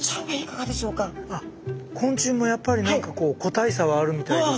あっ昆虫もやっぱり何か個体差はあるみたいですよ。